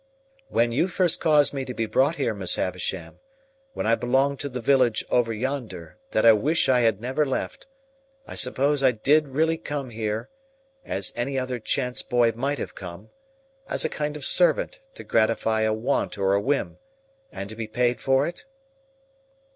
"When you first caused me to be brought here, Miss Havisham, when I belonged to the village over yonder, that I wish I had never left, I suppose I did really come here, as any other chance boy might have come,—as a kind of servant, to gratify a want or a whim, and to be paid for it?"